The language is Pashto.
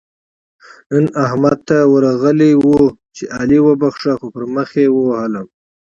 نن احمد ته ورغلی وو؛ چې علي وبښه - خو پر مخ يې ووهلم.